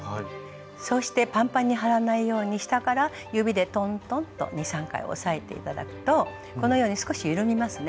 そしてパンパンに張らないように下から指でトントンと２３回押さえて頂くとこのように少し緩みますね。